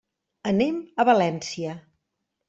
Anem a València.